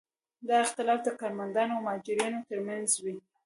دا اختلاف د کارمندانو او مراجعینو ترمنځ وي.